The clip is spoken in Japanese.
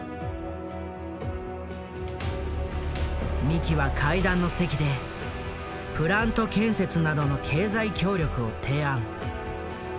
三木は会談の席でプラント建設などの経済協力を提案。